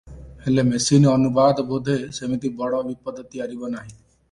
ହେଲେ ମେସିନ-ଅନୁବାଦ ବୋଧେ ସେମିତି ବଡ଼ ବିପଦ ତିଆରିବ ନାହିଁ ।